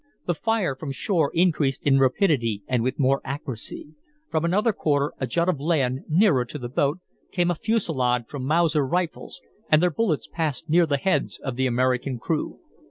The fire from shore increased in rapidity and with more accuracy. From another quarter, a jut of land nearer to the boat, came a fusilade from Mauser rifles, and their bullets passed near the heads of the American crew.